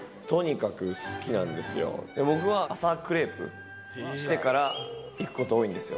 僕は朝クレープしてから行くこと多いんですよ。